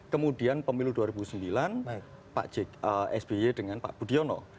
kemudian pemilu dua ribu sembilan pak sby dengan pak budiono